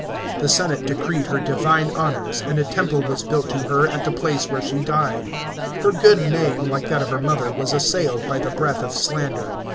The senate decreed her divine honours, and a temple was built to her at the place where she died. Her good name, like that of her mother, was assailed by the breath of slander.